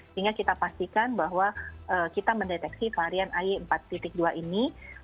sehingga kita pastikan bahwa kita mendeteksi varian ay empat dua ini